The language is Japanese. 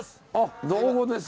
どうもです。